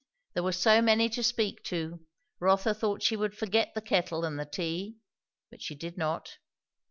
There were so many to speak to, Rotha thought she would forget the kettle and the tea; but she did not.